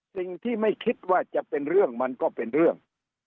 สิ่งที่ไม่คิดว่าจะเป็นเรื่องมันก็เป็นเรื่อง